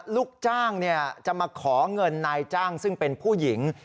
ลูกจ้างจะมาขอเงินนายจ้างซึ่งเป็นผู้หญิง